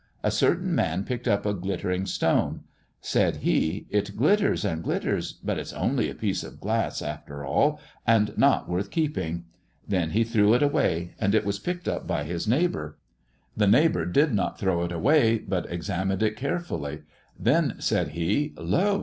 A certain man picked up a glittering stone. Said he, * It glitters and glitters, but it's only a piece of glass after all, and not worth keeping.' Then he threw it away, and it was picked up by his neighbour. The neighboiu* did not throw it away, but examined it carefully. Then said he, * Lo